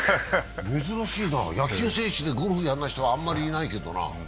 珍しいな、野球選手でゴルフやらない人はあまりいないけどな。